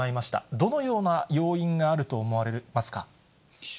どのような要因があると思われますか。